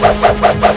rayus rayus sensa pergi